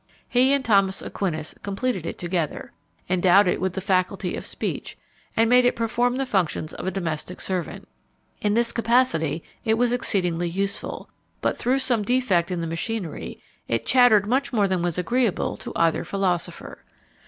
He and Thomas Aquinas completed it together, endowed it with the faculty of speech, and made it perform the functions of a domestic servant. In this capacity it was exceedingly useful; but, through some defect in the machinery, it chattered much more than was agreeable to either philosopher.